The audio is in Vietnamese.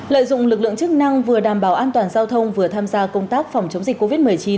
lợi dụng lực lượng chức năng vừa đảm bảo an toàn giao thông vừa tham gia công tác phòng chống dịch covid một mươi chín